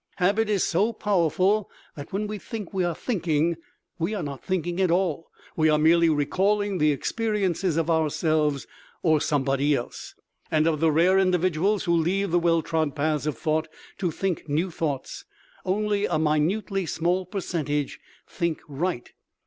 Habit is so powerful that when we think we are thinking we are not thinking at all, we are merely recalling the experiences of ourselves or somebody else. And of the rare individuals who leave the well trod paths of thought to think new thoughts, only a minutely small percentage think right.